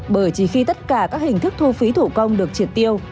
bởi chỉ khi tất cả các hình thức thu phí thủ công được triệt tiêu